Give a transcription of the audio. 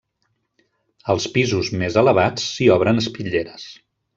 Als pisos més elevats, s'hi obren espitlleres.